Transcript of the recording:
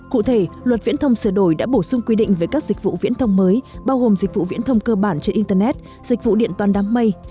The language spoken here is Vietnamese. cụ thể luật viễn thông sửa đổi đã bổ sung quy định về các dịch vụ viễn thông mới bao gồm dịch vụ viễn thông cơ bản trên internet dịch vụ điện toàn đám mây dịch vụ trung tâm dữ liệu